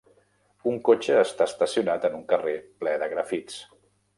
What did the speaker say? Un cotxe està estacionat en un carrer ple de grafits.